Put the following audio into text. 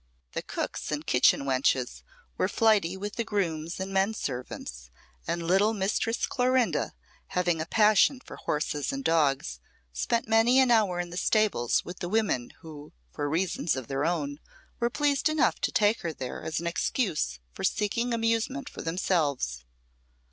The cooks and kitchen wenches were flighty with the grooms and men servants, and little Mistress Clorinda, having a passion for horses and dogs, spent many an hour in the stables with the women who, for reasons of their own, were pleased enough to take her there as an excuse for seeking amusement for themselves.